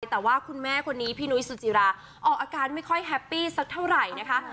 แต่ว่าคุณแม่คนนี้พี่นุ้ยสุจิราออกอาการไม่ค่อยแฮปปี้สักเท่าไหร่นะคะ